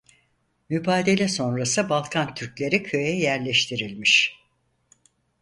Mübadele sonrası Balkan Türkleri köye yerleştirilmiş.